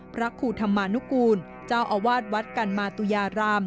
พระครูธรรมานุกูลเจ้าอาวาสวัดกันมาตุยาราม